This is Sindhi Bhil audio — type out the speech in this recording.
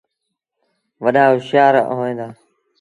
وڏآ هوشآر هوئيݩ دآ